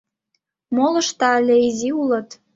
Молышт але изи улыт...